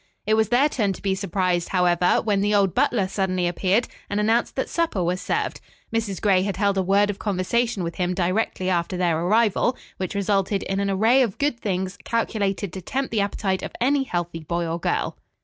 It was their turn to be surprised, however, when the old butler suddenly appeared and announced that supper was served. Mrs. Gray had held a word of conversation with him directly after their arrival, which resulted in an array of good things calculated to tempt the appetite of any healthy boy or girl.